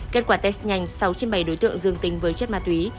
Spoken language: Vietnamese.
kết quả test nhanh sáu trên bảy đối tượng dương tính với chất ma túy